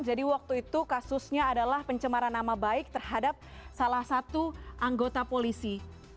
waktu itu kasusnya adalah pencemaran nama baik terhadap salah satu anggota polisi